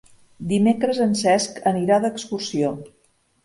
Dimecres en Cesc anirà d'excursió.